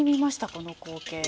この光景。